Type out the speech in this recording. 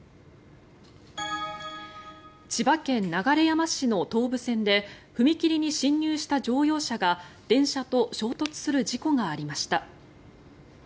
千葉県流山市の東武線で踏切に進入した乗用車が電車と衝突する事故がありました。